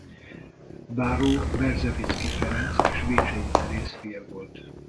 Báró Berzeviczy Ferenc és Vécsey Teréz fia volt.